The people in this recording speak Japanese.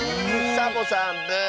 サボさんブーッ！